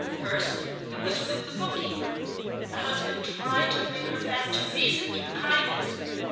First, it was with the book keeper. The husband tried to bring her back to reason through kindness.